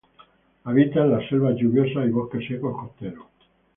Habita en las selvas lluviosas y bosques secos costeros.